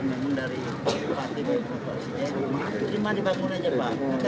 memang dari patimu kota sini cuma dibangun aja pak